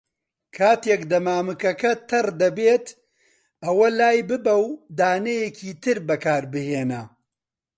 کاتێک دەمامکەکە تەڕ دەبێت، ئەوە لایببە و دانەیەکی تر بەکاربهێنە.